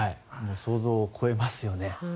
想像を超えますよね。